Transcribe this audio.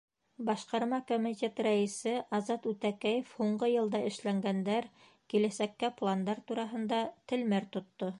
Башҡарма комитет рәйесе Азат Үтәкәев һуңғы йылда эшләнгәндәр, киләсәккә пландар тураһында телмәр тотто.